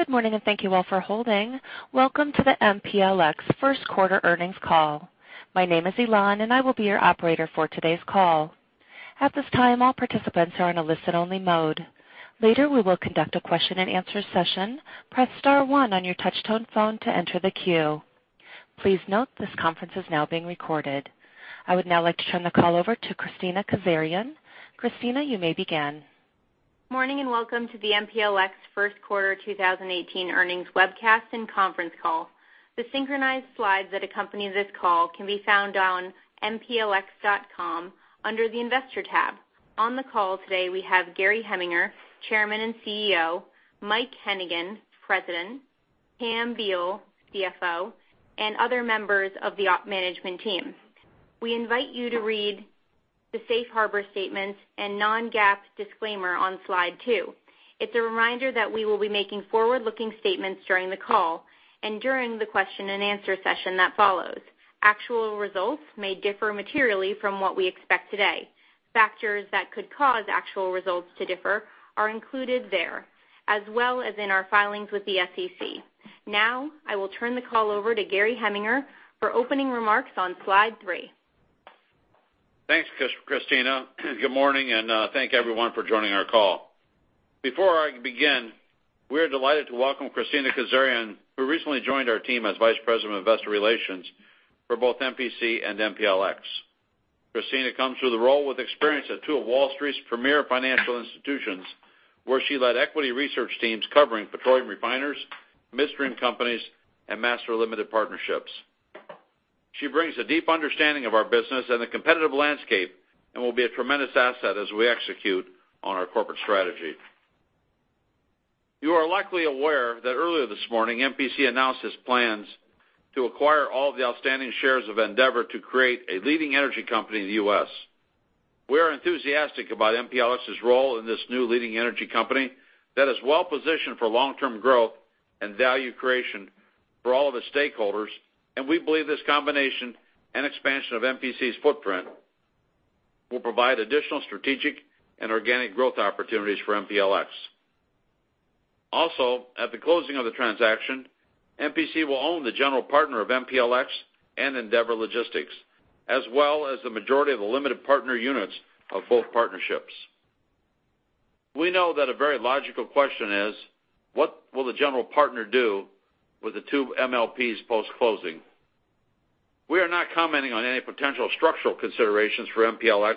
Good morning, and thank you all for holding. Welcome to the MPLX first quarter earnings call. My name is Elan, and I will be your operator for today's call. At this time, all participants are in a listen only mode. Later, we will conduct a question and answer session. Press star one on your touch-tone phone to enter the queue. Please note this conference is now being recorded. I would now like to turn the call over to Kristina Kazarian. Kristina, you may begin. Morning and welcome to the MPLX first quarter 2018 earnings webcast and conference call. The synchronized slides that accompany this call can be found on mplx.com under the investor tab. On the call today, we have Gary Heminger, Chairman and CEO, Mike Hennigan, President, Pam Beall, CFO, and other members of the op management team. We invite you to read the safe harbor statements and non-GAAP disclaimer on slide two. It's a reminder that we will be making forward-looking statements during the call and during the question and answer session that follows. Actual results may differ materially from what we expect today. Factors that could cause actual results to differ are included there, as well as in our filings with the SEC. Now, I will turn the call over to Gary Heminger for opening remarks on slide three. Thanks, Christina. Good morning, and thank everyone for joining our call. Before I begin, we are delighted to welcome Christina Kazarian, who recently joined our team as Vice President of Investor Relations for both MPC and MPLX. Christina comes to the role with experience at two of Wall Street's premier financial institutions, where she led equity research teams covering petroleum refiners, midstream companies, and master limited partnerships. She brings a deep understanding of our business and the competitive landscape and will be a tremendous asset as we execute on our corporate strategy. You are likely aware that earlier this morning, MPC announced its plans to acquire all the outstanding shares of Andeavor to create a leading energy company in the U.S. We are enthusiastic about MPLX's role in this new leading energy company that is well-positioned for long-term growth and value creation for all of its stakeholders. We believe this combination and expansion of MPC's footprint will provide additional strategic and organic growth opportunities for MPLX. Also, at the closing of the transaction, MPC will own the general partner of MPLX and Andeavor Logistics, as well as the majority of the limited partner units of both partnerships. We know that a very logical question is, what will the general partner do with the two MLPs post-closing? We are not commenting on any potential structural considerations for MPLX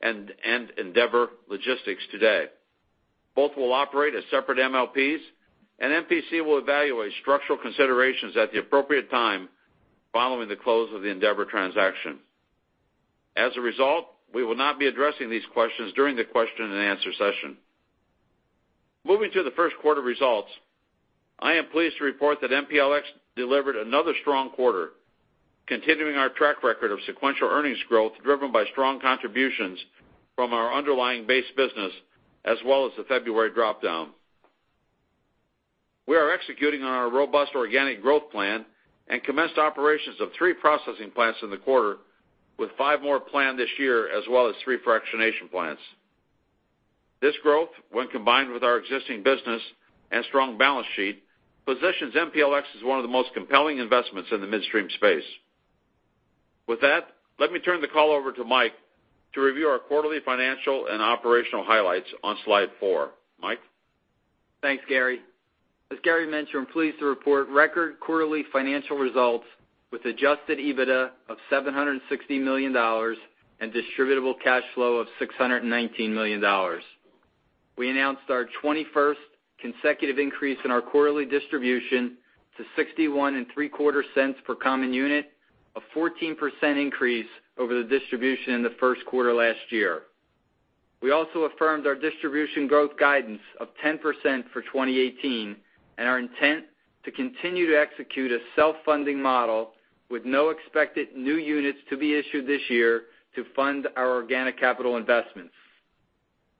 and Andeavor Logistics today. Both will operate as separate MLPs. MPC will evaluate structural considerations at the appropriate time following the close of the Andeavor transaction. As a result, we will not be addressing these questions during the question and answer session. Moving to the first quarter results, I am pleased to report that MPLX delivered another strong quarter, continuing our track record of sequential earnings growth driven by strong contributions from our underlying base business, as well as the February drop-down. We are executing on our robust organic growth plan and commenced operations of three processing plants in the quarter, with five more planned this year, as well as three fractionation plants. This growth, when combined with our existing business and strong balance sheet, positions MPLX as one of the most compelling investments in the midstream space. With that, let me turn the call over to Mike to review our quarterly financial and operational highlights on slide four. Mike? Thanks, Gary. As Gary mentioned, I am pleased to report record quarterly financial results with adjusted EBITDA of $760 million and distributable cash flow of $619 million. We announced our 21st consecutive increase in our quarterly distribution to $0.6175 per common unit, a 14% increase over the distribution in the first quarter last year. We also affirmed our distribution growth guidance of 10% for 2018 and our intent to continue to execute a self-funding model with no expected new units to be issued this year to fund our organic capital investments.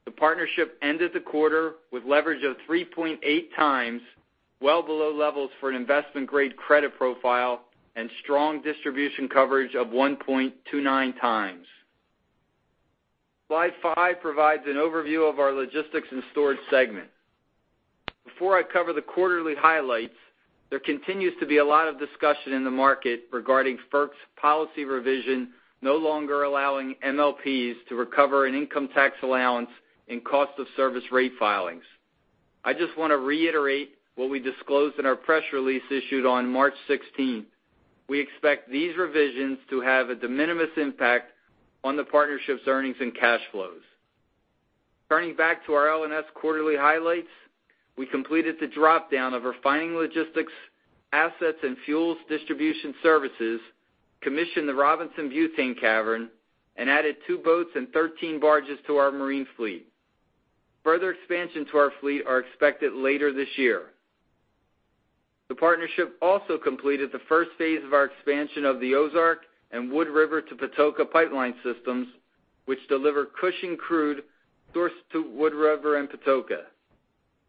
The partnership ended the quarter with leverage of 3.8 times, well below levels for an investment-grade credit profile, and strong distribution coverage of 1.29 times. Slide five provides an overview of our logistics and storage segment. Before I cover the quarterly highlights, there continues to be a lot of discussion in the market regarding FERC's policy revision no longer allowing MLPs to recover an income tax allowance in cost of service rate filings. I just want to reiterate what we disclosed in our press release issued on March 16th. We expect these revisions to have a de minimis impact on the partnership's earnings and cash flows. Turning back to our L&S quarterly highlights, we completed the drop-down of refining logistics assets and fuels distribution services, commissioned the Robinson butane cavern, and added two boats and 13 barges to our marine fleet. Further expansion to our fleet are expected later this year. The partnership also completed the first phase of our expansion of the Ozark and Wood River to Patoka pipeline systems, which deliver Cushing crude sourced to Wood River and Patoka.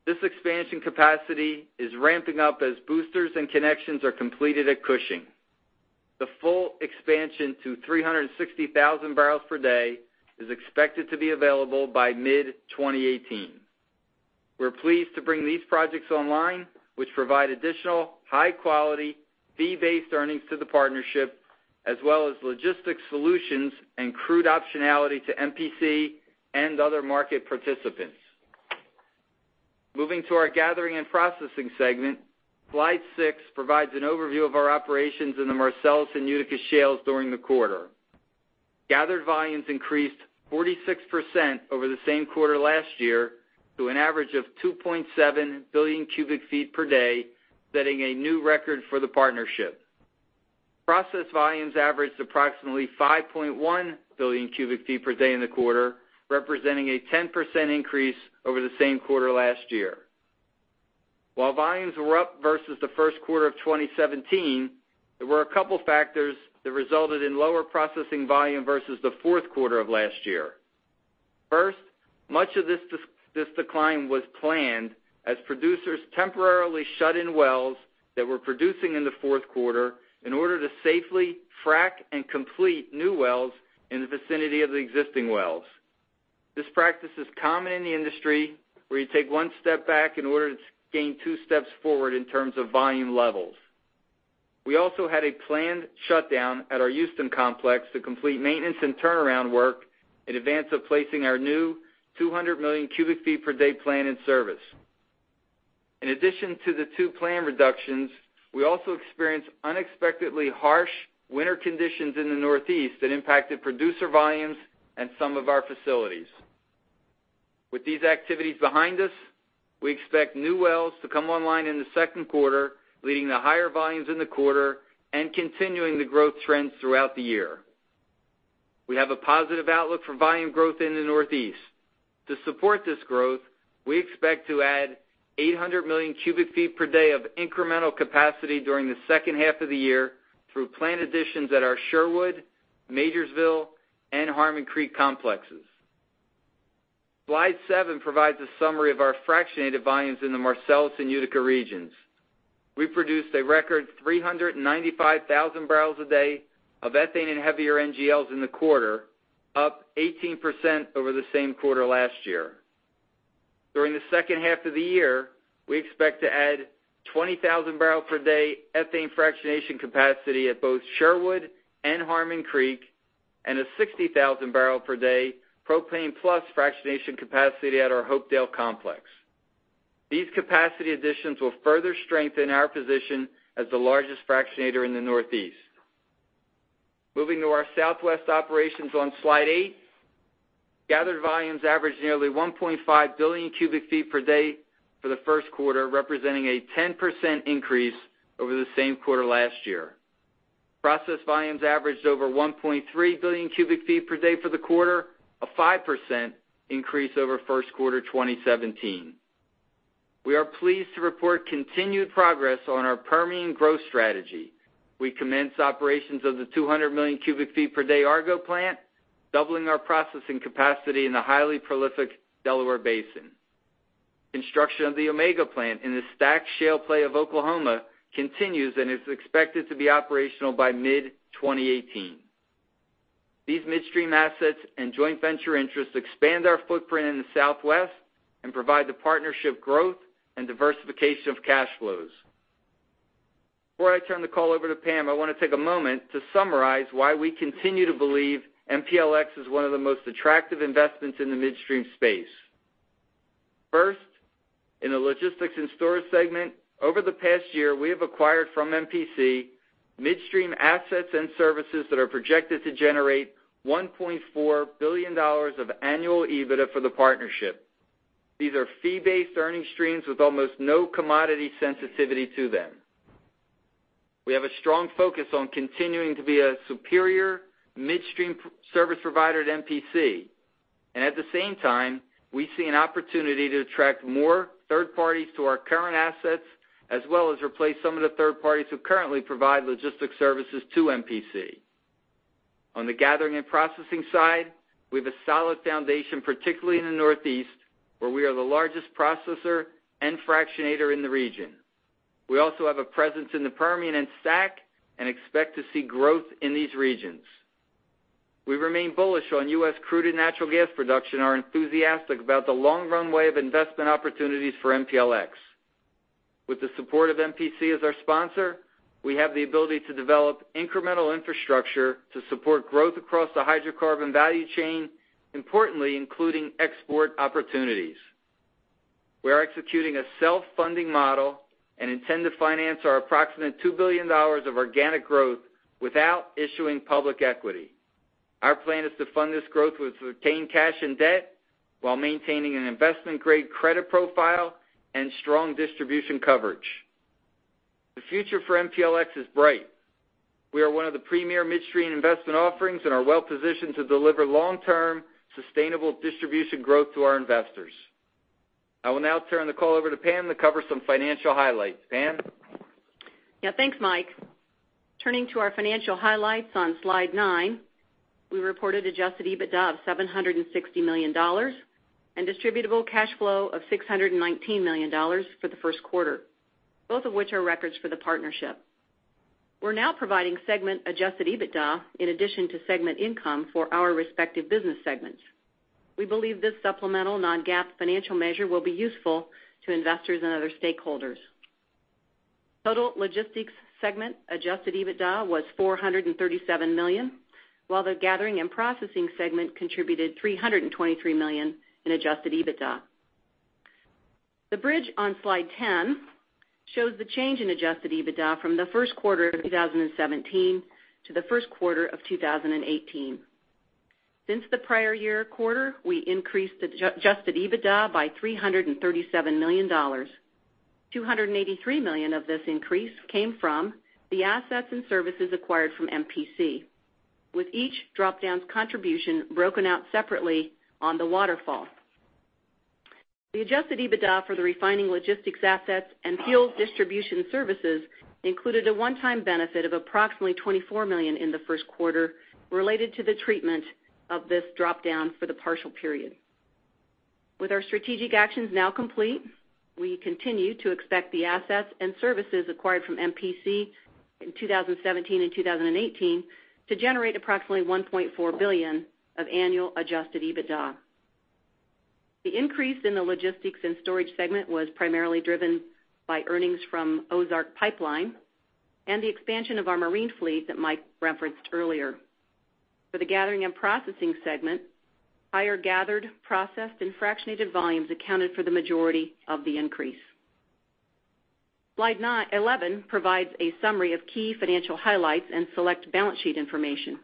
This expansion capacity is ramping up as boosters and connections are completed at Cushing. The full expansion to 360,000 barrels per day is expected to be available by mid-2018. We are pleased to bring these projects online, which provide additional high-quality, fee-based earnings to the partnership, as well as logistic solutions and crude optionality to MPC and other market participants. Moving to our gathering and processing segment, slide six provides an overview of our operations in the Marcellus and Utica shales during the quarter. Gathered volumes increased 46% over the same quarter last year, to an average of 2.7 billion cubic feet per day, setting a new record for the partnership. Process volumes averaged approximately 5.1 billion cubic feet per day in the quarter, representing a 10% increase over the same quarter last year. While volumes were up versus the first quarter of 2017, there were a couple factors that resulted in lower processing volume versus the fourth quarter of last year. First, much of this decline was planned as producers temporarily shut in wells that were producing in the fourth quarter in order to safely frack and complete new wells in the vicinity of the existing wells. This practice is common in the industry, where you take one step back in order to gain two steps forward in terms of volume levels. We also had a planned shutdown at our Houston complex to complete maintenance and turnaround work in advance of placing our new 200 million cubic feet per day plant in service. In addition to the two plant reductions, we also experienced unexpectedly harsh winter conditions in the Northeast that impacted producer volumes and some of our facilities. With these activities behind us, we expect new wells to come online in the second quarter, leading to higher volumes in the quarter and continuing the growth trends throughout the year. We have a positive outlook for volume growth in the Northeast. To support this growth, we expect to add 800 million cubic feet per day of incremental capacity during the second half of the year through plant additions at our Sherwood, Majorsville, and Harmon Creek complexes. Slide seven provides a summary of our fractionated volumes in the Marcellus and Utica regions. We produced a record 395,000 barrels a day of ethane and heavier NGLs in the quarter, up 18% over the same quarter last year. During the second half of the year, we expect to add 20,000 barrel per day ethane fractionation capacity at both Sherwood and Harmon Creek, and a 60,000 barrel per day propane plus fractionation capacity at our Hopedale complex. These capacity additions will further strengthen our position as the largest fractionator in the Northeast. Moving to our Southwest operations on slide eight, gathered volumes averaged nearly 1.5 billion cubic feet per day for the first quarter, representing a 10% increase over the same quarter last year. Process volumes averaged over 1.3 billion cubic feet per day for the quarter, a 5% increase over first quarter 2017. We are pleased to report continued progress on our Permian growth strategy. We commenced operations of the 200 million cubic feet per day Argo plant, doubling our processing capacity in the highly prolific Delaware Basin. Construction of the Omega plant in the STACK shale play of Oklahoma continues and is expected to be operational by mid-2018. These midstream assets and joint venture interests expand our footprint in the Southwest and provide the partnership growth and diversification of cash flows. Before I turn the call over to Pam, I want to take a moment to summarize why we continue to believe MPLX is one of the most attractive investments in the midstream space. First, in the logistics and storage segment, over the past year, we have acquired from MPC midstream assets and services that are projected to generate $1.4 billion of annual EBITDA for the partnership. These are fee-based earning streams with almost no commodity sensitivity to them. We have a strong focus on continuing to be a superior midstream service provider at MPC, and at the same time, we see an opportunity to attract more third parties to our current assets, as well as replace some of the third parties who currently provide logistics services to MPC. On the gathering and processing side, we have a solid foundation, particularly in the Northeast, where we are the largest processor and fractionator in the region. We also have a presence in the Permian and STACK and expect to see growth in these regions. We remain bullish on U.S. crude and natural gas production and are enthusiastic about the long runway of investment opportunities for MPLX. With the support of MPC as our sponsor, we have the ability to develop incremental infrastructure to support growth across the hydrocarbon value chain, importantly including export opportunities. We are executing a self-funding model and intend to finance our approximate $2 billion of organic growth without issuing public equity. Our plan is to fund this growth with retained cash and debt while maintaining an investment-grade credit profile and strong distribution coverage. The future for MPLX is bright. We are one of the premier midstream investment offerings and are well positioned to deliver long-term sustainable distribution growth to our investors. I will now turn the call over to Pam to cover some financial highlights. Pam? Yeah, thanks, Mike. Turning to our financial highlights on slide nine. We reported adjusted EBITDA of $760 million and distributable cash flow of $619 million for the first quarter, both of which are records for the partnership. We are now providing segment adjusted EBITDA in addition to segment income for our respective business segments. We believe this supplemental non-GAAP financial measure will be useful to investors and other stakeholders. Total logistics segment adjusted EBITDA was $437 million, while the gathering and processing segment contributed $323 million in adjusted EBITDA. The bridge on slide 10 shows the change in adjusted EBITDA from the first quarter of 2017 to the first quarter of 2018. Since the prior year quarter, we increased adjusted EBITDA by $337 million. $283 million of this increase came from the assets and services acquired from MPC, with each drop-down's contribution broken out separately on the waterfall. The adjusted EBITDA for the refining logistics assets and fuels distribution services included a one-time benefit of approximately $24 million in the first quarter related to the treatment of this drop-down for the partial period. With our strategic actions now complete, we continue to expect the assets and services acquired from MPC in 2017 and 2018 to generate approximately $1.4 billion of annual adjusted EBITDA. The increase in the logistics and storage segment was primarily driven by earnings from Ozark Pipeline and the expansion of our marine fleet that Mike referenced earlier. For the gathering and processing segment, higher gathered, processed, and fractionated volumes accounted for the majority of the increase. Slide 11 provides a summary of key financial highlights and select balance sheet information.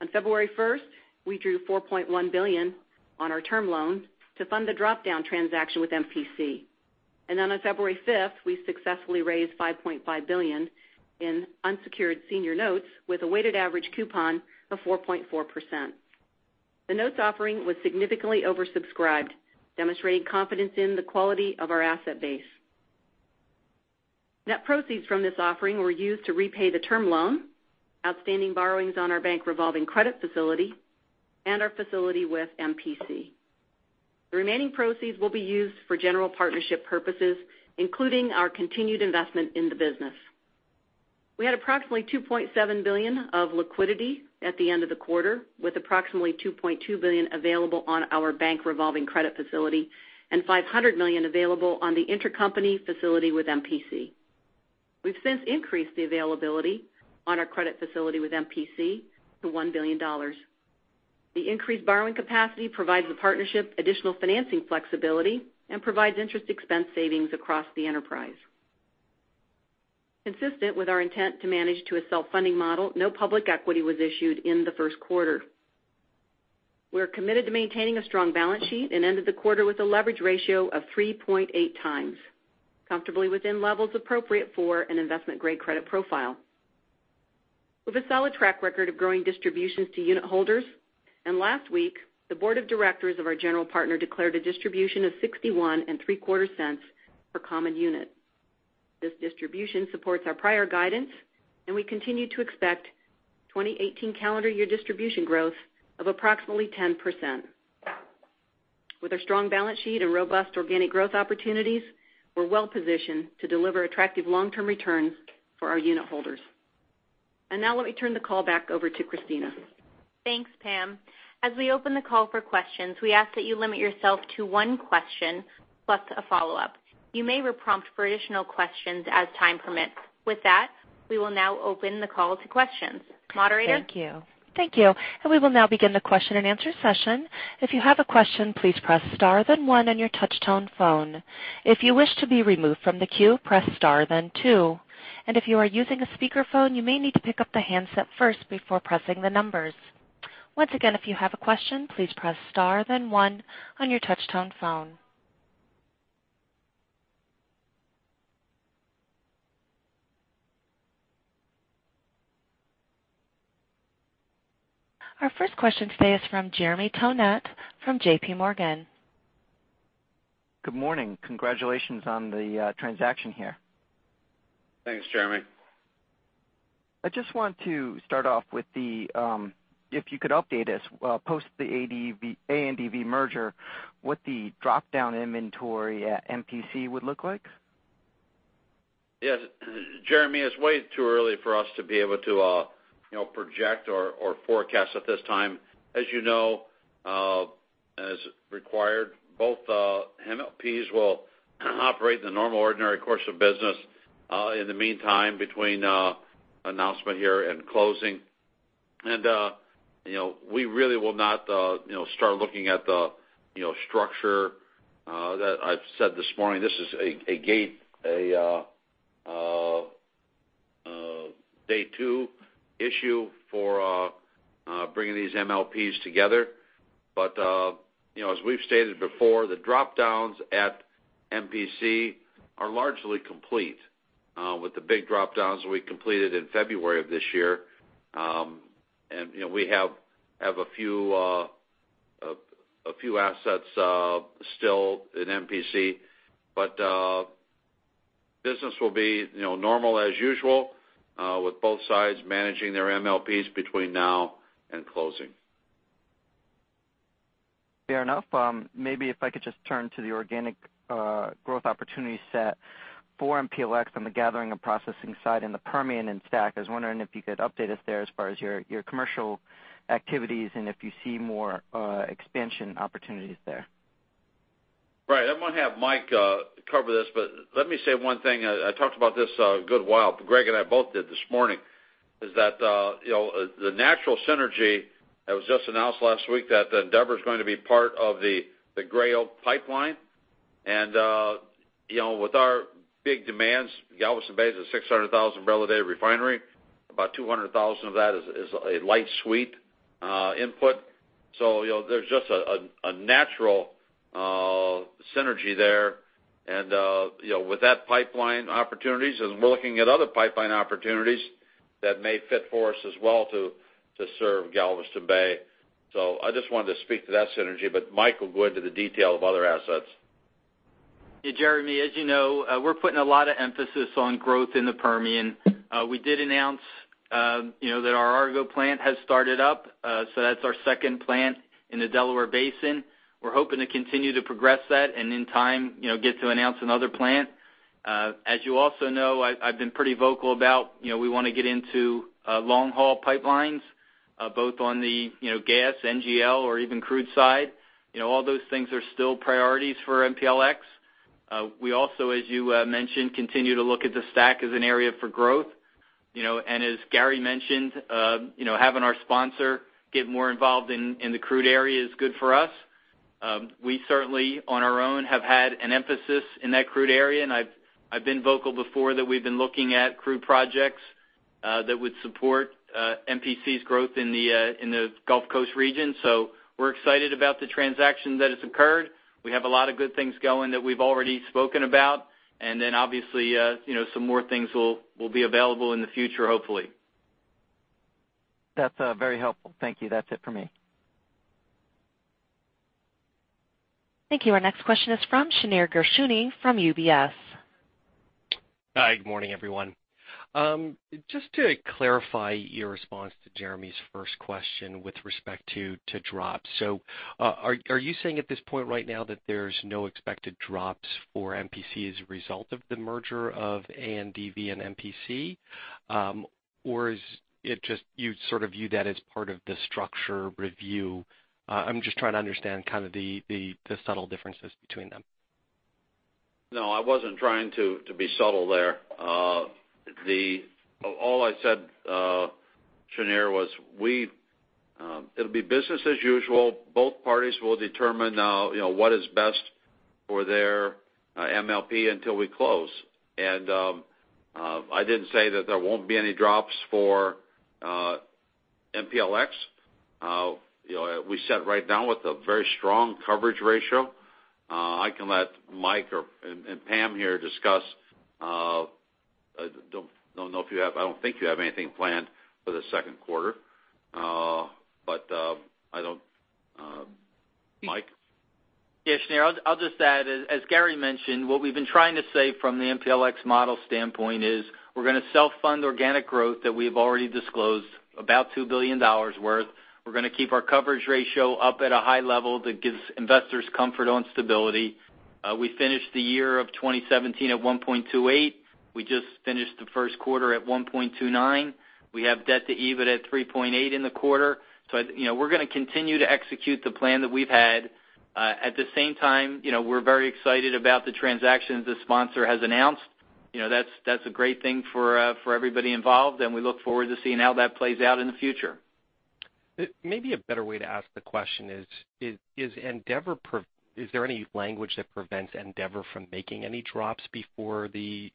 On February 1st, we drew $4.1 billion on our term loan to fund the drop-down transaction with MPC. On February 5th, we successfully raised $5.5 billion in unsecured senior notes with a weighted average coupon of 4.4%. The notes offering was significantly oversubscribed, demonstrating confidence in the quality of our asset base. Net proceeds from this offering were used to repay the term loan, outstanding borrowings on our bank revolving credit facility, and our facility with MPC. The remaining proceeds will be used for general partnership purposes, including our continued investment in the business. We had approximately $2.7 billion of liquidity at the end of the quarter, with approximately $2.2 billion available on our bank revolving credit facility and $500 million available on the intercompany facility with MPC. We've since increased the availability on our credit facility with MPC to $1 billion. The increased borrowing capacity provides the partnership additional financing flexibility and provides interest expense savings across the enterprise. Consistent with our intent to manage to a self-funding model, no public equity was issued in the first quarter. We're committed to maintaining a strong balance sheet and ended the quarter with a leverage ratio of 3.8 times, comfortably within levels appropriate for an investment-grade credit profile. With a solid track record of growing distributions to unitholders, last week, the board of directors of our general partner declared a distribution of $0.6175 per common unit. This distribution supports our prior guidance, and we continue to expect 2018 calendar year distribution growth of approximately 10%. With our strong balance sheet and robust organic growth opportunities, we're well-positioned to deliver attractive long-term returns for our unitholders. Let me turn the call back over to Kristina. Thanks, Pam. As we open the call for questions, we ask that you limit yourself to one question plus a follow-up. You may be prompted for additional questions as time permits. We will now open the call to questions. Moderator? Thank you. We will now begin the question-and-answer session. If you have a question, please press star then one on your touch-tone phone. If you wish to be removed from the queue, press star then two. If you are using a speakerphone, you may need to pick up the handset first before pressing the numbers. Once again, if you have a question, please press star then one on your touch-tone phone. Our first question today is from Jeremy Tonet from J.P. Morgan. Good morning. Congratulations on the transaction here. Thanks, Jeremy. I just want to start off with the, if you could update us, post the Andeavor merger, what the drop-down inventory at MPC would look like? Yes. Jeremy, it's way too early for us to be able to project or forecast at this time. As you know, as required, both MLPs will operate in the normal ordinary course of business in the meantime between announcement here and closing. We really will not start looking at the structure that I've said this morning. This is a gate, a day two issue for bringing these MLPs together. As we've stated before, the drop-downs at MPC are largely complete with the big drop-downs we completed in February of this year. We have a few few assets still in MPC. Business will be normal as usual with both sides managing their MLPs between now and closing. Fair enough. Maybe if I could just turn to the organic growth opportunity set for MPLX on the gathering and processing side in the Permian and STACK. I was wondering if you could update us there as far as your commercial activities and if you see more expansion opportunities there. Right. I'm going to have Mike cover this. Let me say one thing. I talked about this a good while, Greg and I both did this morning, is that the natural synergy that was just announced last week that Andeavor's going to be part of the Gray Oak Pipeline. With our big demands, Galveston Bay is a 600,000 barrel a day refinery. About 200,000 of that is a light sweet input. There's just a natural synergy there. With that pipeline opportunities, and we're looking at other pipeline opportunities that may fit for us as well to serve Galveston Bay. I just wanted to speak to that synergy, but Mike will go into the detail of other assets. Yeah, Jeremy, as you know, we're putting a lot of emphasis on growth in the Permian. We did announce that our Argo plant has started up. That's our second plant in the Delaware Basin. We're hoping to continue to progress that and in time get to announce another plant. As you also know, I've been pretty vocal about we want to get into long-haul pipelines, both on the gas, NGL, or even crude side. All those things are still priorities for MPLX. We also, as you mentioned, continue to look at the STACK as an area for growth. As Gary mentioned, having our sponsor get more involved in the crude area is good for us. We certainly, on our own, have had an emphasis in that crude area. I've been vocal before that we've been looking at crude projects that would support MPC's growth in the Gulf Coast region. We're excited about the transaction that has occurred. We have a lot of good things going that we've already spoken about. Obviously, some more things will be available in the future, hopefully. That's very helpful. Thank you. That's it for me. Thank you. Our next question is from Shneur Gershuni from UBS. Hi, good morning, everyone. Just to clarify your response to Jeremy's first question with respect to drops. Are you saying at this point right now that there's no expected drops for MPC as a result of the merger of Andeavor and MPC? Or is it just you sort of view that as part of the structure review? I'm just trying to understand kind of the subtle differences between them. No, I wasn't trying to be subtle there. All I said, Shneur, was it'll be business as usual. Both parties will determine what is best for their MLP until we close. I didn't say that there won't be any drops for MPLX. We sat right now with a very strong coverage ratio. I can let Mike and Pam here discuss. I don't think you have anything planned for the second quarter. Mike? Yeah, Shneur, I'll just add, as Gary mentioned, what we've been trying to say from the MPLX model standpoint is we're going to self-fund organic growth that we've already disclosed, about $2 billion worth. We're going to keep our coverage ratio up at a high level that gives investors comfort on stability. We finished the year of 2017 at 1.28. We just finished the first quarter at 1.29. We have debt to EBIT at 3.8 in the quarter. We're going to continue to execute the plan that we've had. At the same time, we're very excited about the transactions the sponsor has announced. That's a great thing for everybody involved, and we look forward to seeing how that plays out in the future. Maybe a better way to ask the question is there any language that prevents Andeavor from making any drops before the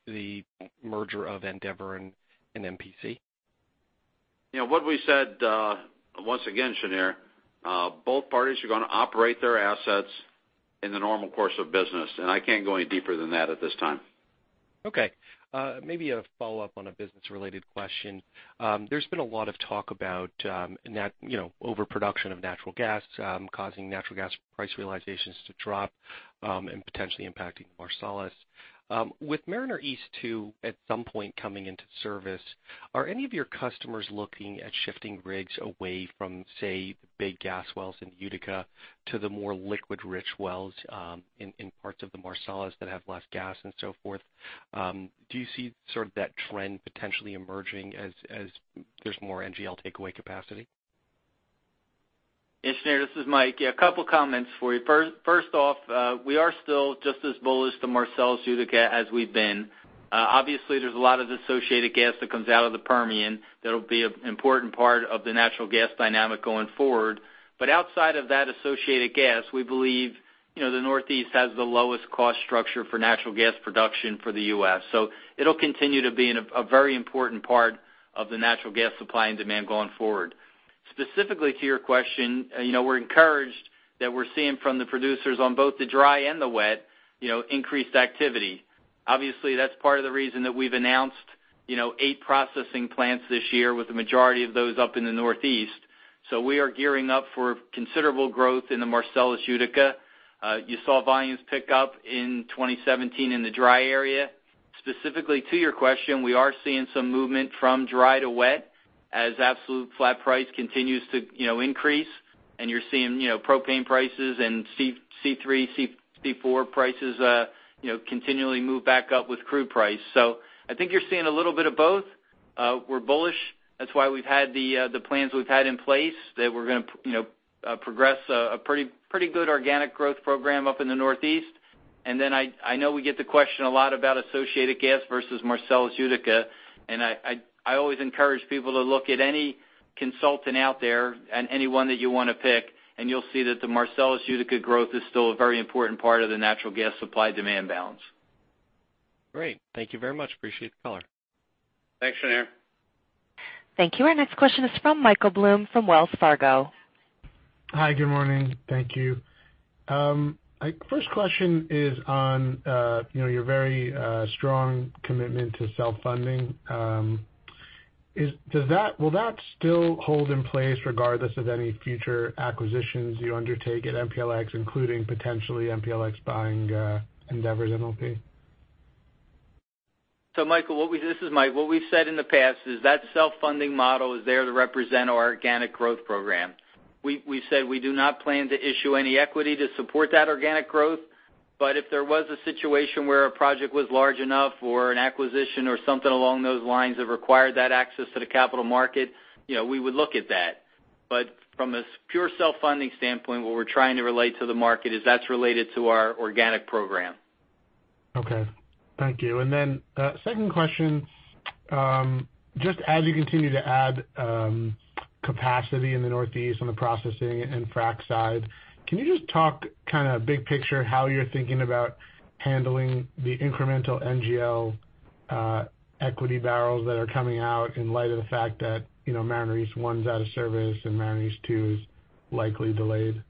merger of Andeavor and MPC? What we said, once again, Shneur, both parties are going to operate their assets in the normal course of business. I can't go any deeper than that at this time. Okay. Maybe a follow-up on a business-related question. There's been a lot of talk about overproduction of natural gas causing natural gas price realizations to drop and potentially impacting the Marcellus. With Mariner East 2 at some point coming into service, are any of your customers looking at shifting rigs away from, say, the big gas wells in Utica to the more liquid-rich wells in parts of the Marcellus that have less gas and so forth? Do you see sort of that trend potentially emerging as there's more NGL takeaway capacity? Shneur, this is Mike. A couple of comments for you. First off, we are still just as bullish the Marcellus Utica as we've been. Obviously, there's a lot of associated gas that comes out of the Permian that'll be an important part of the natural gas dynamic going forward. Outside of that associated gas, we believe the Northeast has the lowest cost structure for natural gas production for the U.S. It'll continue to be a very important part of the natural gas supply and demand going forward. Specifically to your question, we're encouraged that we're seeing from the producers on both the dry and the wet increased activity. Obviously, that's part of the reason that we've announced eight processing plants this year with the majority of those up in the Northeast. We are gearing up for considerable growth in the Marcellus Utica. You saw volumes pick up in 2017 in the dry area. Specifically to your question, we are seeing some movement from dry to wet as absolute flat price continues to increase and you're seeing propane prices and C3, C4 prices continually move back up with crude price. I think you're seeing a little bit of both. We're bullish. That's why we've had the plans we've had in place that we're going to progress a pretty good organic growth program up in the Northeast. I know we get the question a lot about associated gas versus Marcellus Utica, and I always encourage people to look at any consultant out there and any one that you want to pick, and you'll see that the Marcellus Utica growth is still a very important part of the natural gas supply-demand balance. Great. Thank you very much. Appreciate the color. Thanks, Shneur. Thank you. Our next question is from Michael Blum from Wells Fargo. Hi, good morning. Thank you. First question is on your very strong commitment to self-funding. Will that still hold in place regardless of any future acquisitions you undertake at MPLX, including potentially MPLX buying Andeavor's MLP? Michael, this is Mike. What we've said in the past is that self-funding model is there to represent our organic growth program. We've said we do not plan to issue any equity to support that organic growth, but if there was a situation where a project was large enough or an acquisition or something along those lines that required that access to the capital market, we would look at that. From a pure self-funding standpoint, what we're trying to relate to the market is that's related to our organic program. Okay. Thank you. Second question, just as you continue to add capacity in the Northeast on the processing and frack side, can you just talk kind of big picture, how you're thinking about handling the incremental NGL equity barrels that are coming out in light of the fact that Mariner East 1's out of service and Mariner East 2 is likely delayed?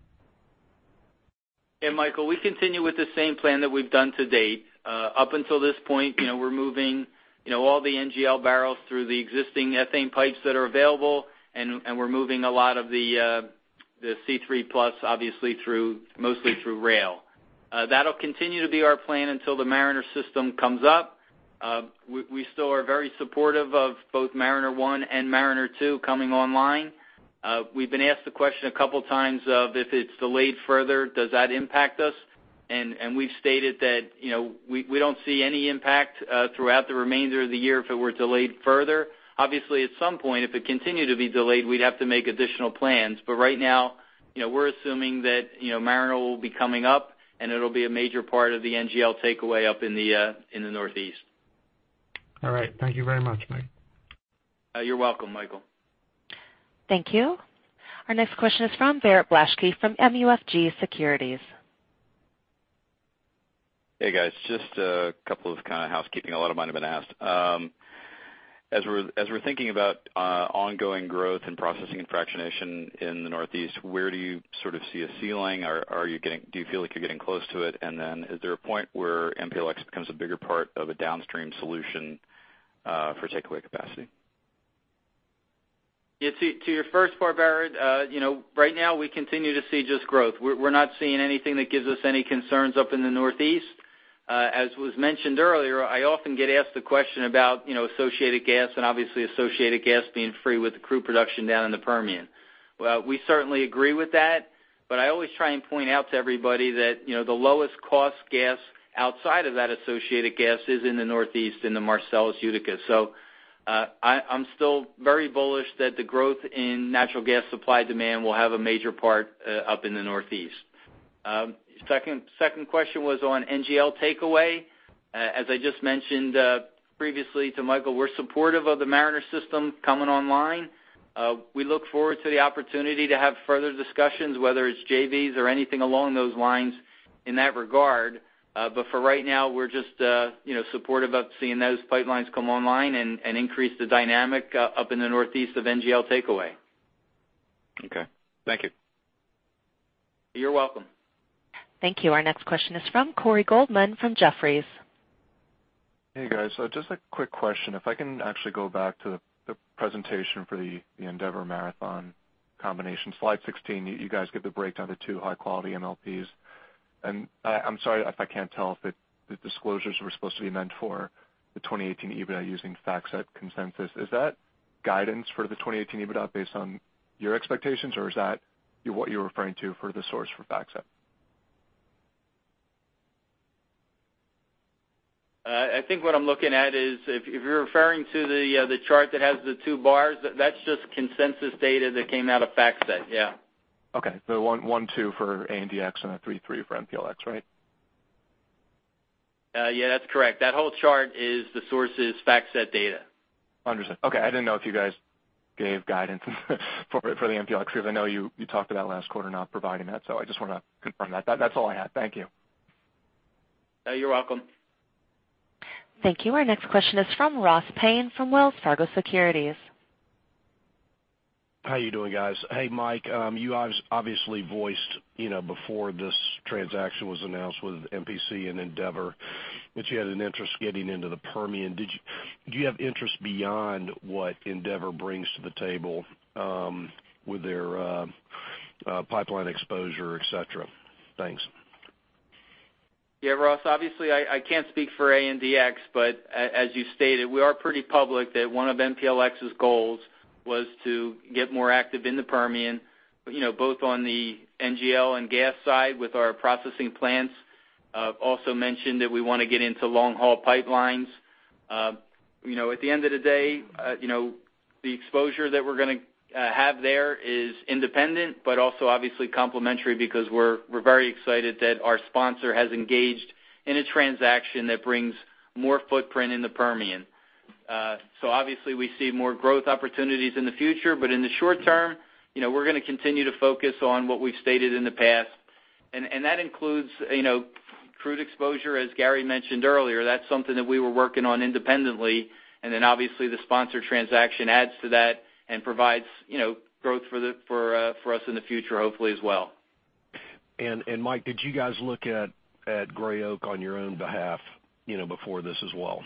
Yeah, Michael, we continue with the same plan that we've done to date. Up until this point, we're moving all the NGL barrels through the existing ethane pipes that are available, and we're moving a lot of the C3 plus obviously mostly through rail. That'll continue to be our plan until the Mariner system comes up. We still are very supportive of both Mariner 1 and Mariner 2 coming online. We've been asked the question a couple times of if it's delayed further, does that impact us? We've stated that we don't see any impact throughout the remainder of the year if it were delayed further. Obviously, at some point, if it continued to be delayed, we'd have to make additional plans. Right now, we're assuming that Mariner will be coming up, and it'll be a major part of the NGL takeaway up in the Northeast. All right. Thank you very much, Mike. You're welcome, Michael. Thank you. Our next question is from Barrett Blaschke from MUFG Securities. Hey, guys. Just a couple of kind of housekeeping. A lot of mine have been asked. As we're thinking about ongoing growth in processing and fractionation in the Northeast, where do you sort of see a ceiling? Do you feel like you're getting close to it? Then is there a point where MPLX becomes a bigger part of a downstream solution for takeaway capacity? To your first part, Barrett, right now, we continue to see just growth. We're not seeing anything that gives us any concerns up in the Northeast. As was mentioned earlier, I often get asked the question about associated gas and obviously associated gas being free with the crude production down in the Permian. We certainly agree with that, but I always try and point out to everybody that the lowest cost gas outside of that associated gas is in the Northeast in the Marcellus Utica. I'm still very bullish that the growth in natural gas supply-demand will have a major part up in the Northeast. Second question was on NGL takeaway. As I just mentioned previously to Michael, we're supportive of the Mariner system coming online. We look forward to the opportunity to have further discussions, whether it's JVs or anything along those lines in that regard. For right now, we're just supportive of seeing those pipelines come online and increase the dynamic up in the Northeast of NGL takeaway. Okay. Thank you. You're welcome. Thank you. Our next question is from Corey Goldman from Jefferies. Hey, guys. Just a quick question. If I can actually go back to the presentation for the Andeavor Marathon combination. Slide 16, you guys give the breakdown of two high-quality MLPs. I'm sorry if I can't tell if the disclosures were supposed to be meant for the 2018 EBITDA using FactSet consensus. Is that guidance for the 2018 EBITDA based on your expectations, or is that what you're referring to for the source for FactSet? I think what I'm looking at is if you're referring to the chart that has the two bars, that's just consensus data that came out of FactSet. Yeah. Okay. One, two for ANDX and a three for MPLX, right? Yeah, that's correct. That whole chart is the source is FactSet data. Understood. Okay. I didn't know if you guys gave guidance for the MPLX. I know you talked about last quarter not providing that, I just want to confirm that. That's all I had. Thank you. You're welcome. Thank you. Our next question is from Dennis Coleman from Wells Fargo Securities. How you doing, guys? Hey, Mike, you obviously voiced before this transaction was announced with MPC and Andeavor that you had an interest getting into the Permian. Do you have interest beyond what Andeavor brings to the table with their pipeline exposure, et cetera? Thanks. Dennis, obviously, I can't speak for ANDX, but as you stated, we are pretty public that one of MPLX's goals was to get more active in the Permian both on the NGL and gas side with our processing plants. I've also mentioned that we want to get into long-haul pipelines. At the end of the day, the exposure that we're going to have there is independent, but also obviously complementary because we're very excited that our sponsor has engaged in a transaction that brings more footprint in the Permian. Obviously we see more growth opportunities in the future, but in the short term, we're going to continue to focus on what we've stated in the past, and that includes crude exposure, as Gary mentioned earlier. That's something that we were working on independently, then obviously the sponsor transaction adds to that and provides growth for us in the future, hopefully as well. Mike, did you guys look at Gray Oak on your own behalf before this as well?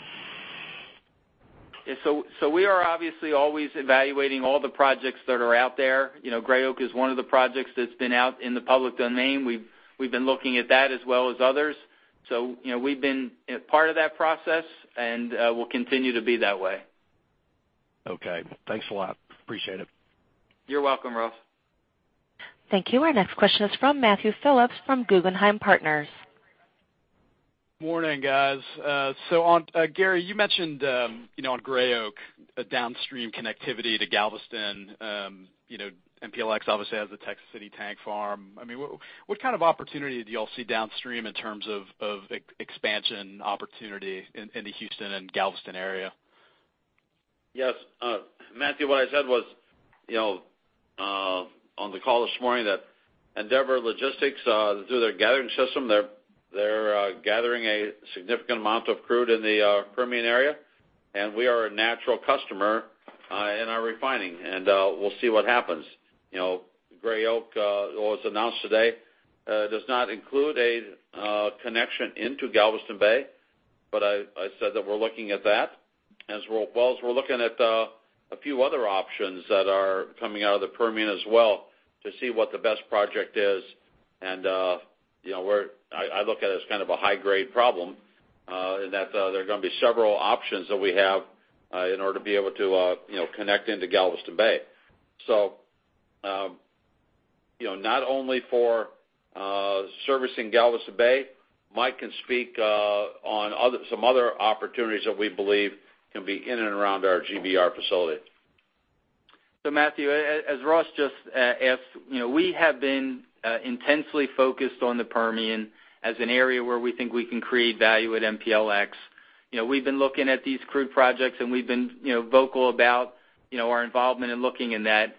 We are obviously always evaluating all the projects that are out there. Gray Oak is one of the projects that's been out in the public domain. We've been looking at that as well as others. We've been part of that process, and we'll continue to be that way. Okay. Thanks a lot. Appreciate it. You're welcome, Ross. Thank you. Our next question is from Matthew Phillips from Guggenheim Partners. Morning, guys. Gary, you mentioned on Gray Oak, a downstream connectivity to Galveston. MPLX obviously has a Texas City tank farm. What kind of opportunity do you all see downstream in terms of expansion opportunity in the Houston and Galveston area? Matthew, what I said was on the call this morning that Andeavor Logistics through their gathering system, they're gathering a significant amount of crude in the Permian area, and we are a natural customer in our refining, and we'll see what happens. Gray Oak was announced today, does not include a connection into Galveston Bay, but I said that we're looking at that as well as we're looking at a few other options that are coming out of the Permian as well to see what the best project is. I look at it as kind of a high-grade problem in that there are going to be several options that we have in order to be able to connect into Galveston Bay. Not only for servicing Galveston Bay, Mike can speak on some other opportunities that we believe can be in and around our GBR facility. Matthew, as Ross just asked, we have been intensely focused on the Permian as an area where we think we can create value at MPLX. We've been looking at these crude projects, and we've been vocal about our involvement in looking in that.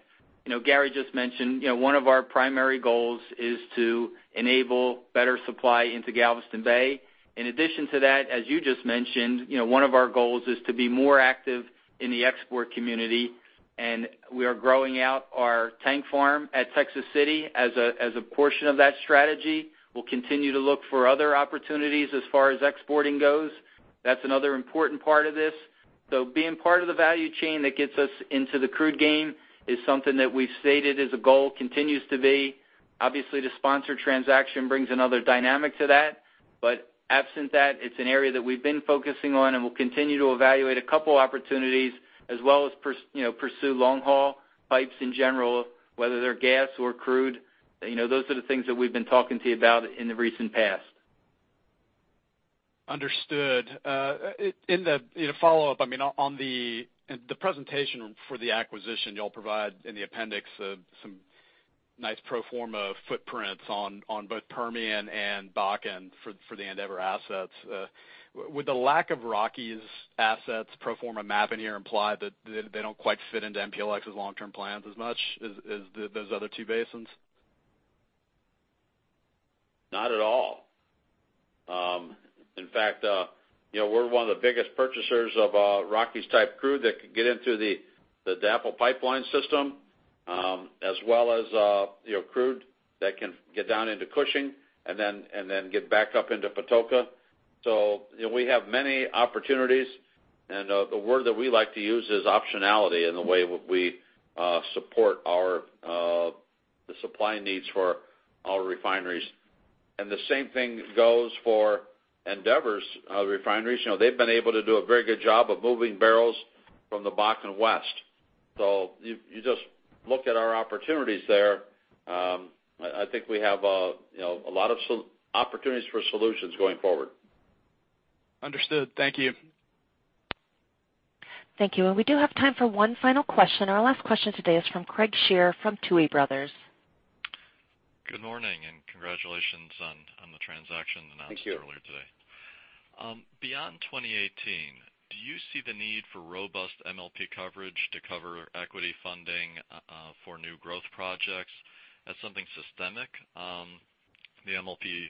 Gary just mentioned one of our primary goals is to enable better supply into Galveston Bay. In addition to that, as you just mentioned, one of our goals is to be more active in the export community, and we are growing out our tank farm at Texas City as a portion of that strategy. We'll continue to look for other opportunities as far as exporting goes. That's another important part of this. Being part of the value chain that gets us into the crude game is something that we've stated as a goal, continues to be. Obviously, the sponsor transaction brings another dynamic to that, but absent that, it's an area that we've been focusing on, and we'll continue to evaluate a couple opportunities as well as pursue long-haul pipes in general, whether they're gas or crude. Those are the things that we've been talking to you about in the recent past. Understood. In the follow-up, on the presentation for the acquisition you all provide in the appendix some nice pro forma footprints on both Permian and Bakken for the Andeavor assets. With the lack of Rockies assets pro forma map in here imply that they don't quite fit into MPLX's long-term plans as much as those other two basins? Not at all. In fact, we're one of the biggest purchasers of Rockies-type crude that could get into the DAPL pipeline system, as well as crude that can get down into Cushing and then get back up into Patoka. We have many opportunities, and the word that we like to use is optionality in the way we support the supply needs for our refineries. The same thing goes for Andeavor's refineries. They've been able to do a very good job of moving barrels from the Bakken West. You just look at our opportunities there. I think we have a lot of opportunities for solutions going forward. Understood. Thank you. Thank you. We do have time for one final question, and our last question today is from Craig Shere from Tuohy Brothers. Good morning, congratulations on the transaction announced earlier today. Thank you. Beyond 2018, do you see the need for robust MLP coverage to cover equity funding for new growth projects as something systemic? The MLP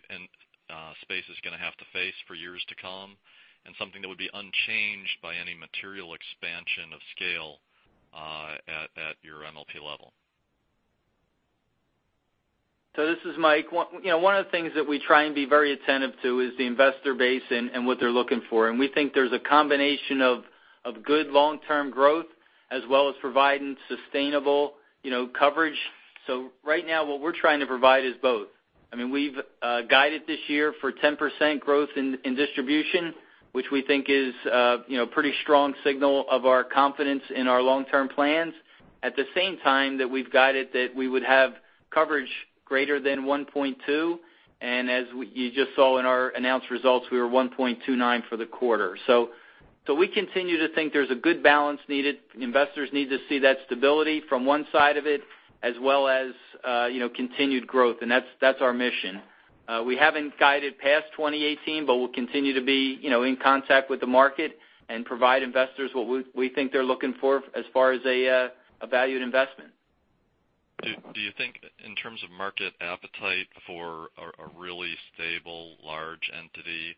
space is going to have to face for years to come, and something that would be unchanged by any material expansion of scale at your MLP level. This is Mike. One of the things that we try and be very attentive to is the investor base and what they're looking for. We think there's a combination of good long-term growth as well as providing sustainable coverage. Right now, what we're trying to provide is both. We've guided this year for 10% growth in distribution, which we think is a pretty strong signal of our confidence in our long-term plans. At the same time, that we've guided that we would have coverage greater than 1.2. As you just saw in our announced results, we were 1.29 for the quarter. We continue to think there's a good balance needed. Investors need to see that stability from one side of it, as well as continued growth. That's our mission. We haven't guided past 2018, we'll continue to be in contact with the market and provide investors what we think they're looking for as far as a valued investment. Do you think in terms of market appetite for a really stable, large entity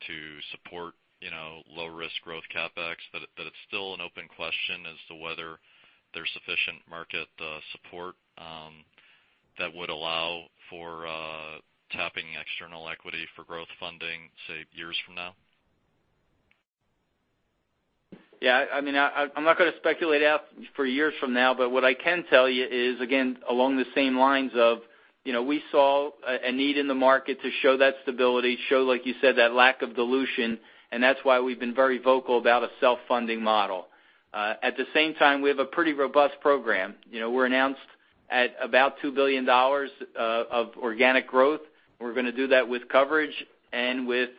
to support low risk growth CapEx, that it's still an open question as to whether there's sufficient market support that would allow for tapping external equity for growth funding, say, years from now? Yeah. I'm not going to speculate out for years from now, but what I can tell you is, again, along the same lines of, we saw a need in the market to show that stability, show, like you said, that lack of dilution, and that's why we've been very vocal about a self-funding model. At the same time, we have a pretty robust program. We're announced at about $2 billion of organic growth, and we're going to do that with coverage and with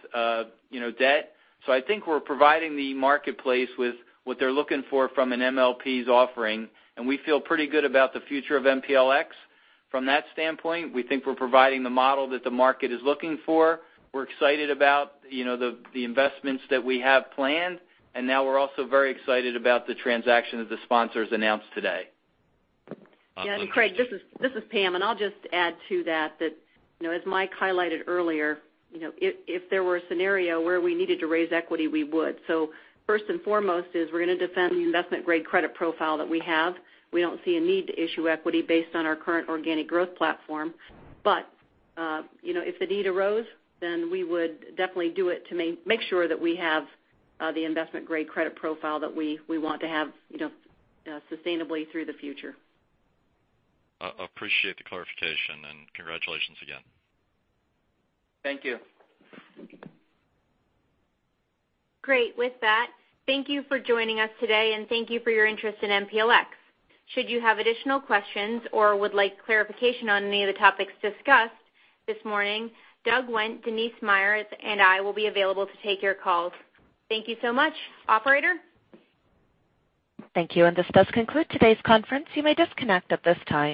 debt. I think we're providing the marketplace with what they're looking for from an MLP's offering, and we feel pretty good about the future of MPLX. From that standpoint, we think we're providing the model that the market is looking for. We're excited about the investments that we have planned, and now we're also very excited about the transaction that the sponsors announced today. Yeah, and Craig, this is Pam, and I'll just add to that as Mike highlighted earlier, if there were a scenario where we needed to raise equity, we would. First and foremost is we're going to defend the investment-grade credit profile that we have. We don't see a need to issue equity based on our current organic growth platform. If the need arose, then we would definitely do it to make sure that we have the investment-grade credit profile that we want to have sustainably through the future. Appreciate the clarification, and congratulations again. Thank you. Great. With that, thank you for joining us today. Thank you for your interest in MPLX. Should you have additional questions or would like clarification on any of the topics discussed this morning, Doug Wendt, Denice Myers, and I will be available to take your calls. Thank you so much. Operator? Thank you. This does conclude today's conference. You may disconnect at this time.